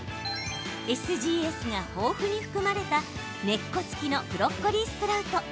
ＳＧＳが豊富に含まれた根っこ付きのブロッコリースプラウト。